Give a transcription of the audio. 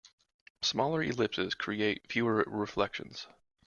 Smaller ellipses create fewer reflections.